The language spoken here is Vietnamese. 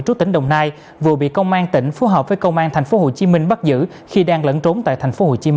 trú tỉnh đồng nai vừa bị công an tỉnh phú hợp với công an tp hcm bắt giữ khi đang lẫn trốn tại tp hcm